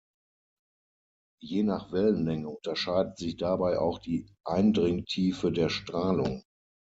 Je nach Wellenlänge unterscheidet sich dabei auch die Eindringtiefe der Strahlung.